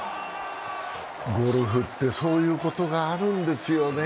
ゴルフってそういうことがあるんですよね。